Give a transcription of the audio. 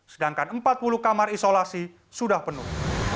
sedangkan empat puluh kamar isolasi sudah penuh